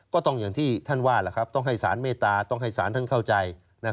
ก็ต้องอย่างที่ท่านว่าล่ะครับต้องให้ศาลเมตตาต้องให้ศาลท่านเข้าใจ